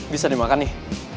bisa dimakan nih